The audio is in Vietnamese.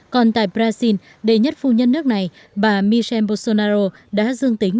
còn tại brazil đệ nhất phu nhân nước này bà michelle bolsonaro đã dương tính